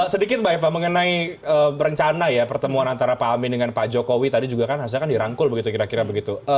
sedikit mbak eva mengenai berencana ya pertemuan antara pak amin dengan pak jokowi tadi juga kan hasilnya kan dirangkul begitu kira kira begitu